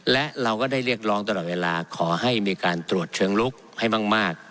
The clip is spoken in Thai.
และเราก็ได้เรียกร้องตลอดเวลาขอให้มีการตรวจเชิงลุกให้มาก